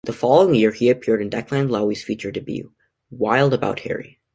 The following year, he appeared in Declan Lowney's feature debut, "Wild About Harry".